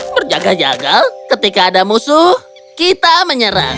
berjaga jaga ketika ada musuh kita menyerang